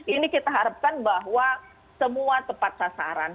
ini kita harapkan bahwa semua tepat sasaran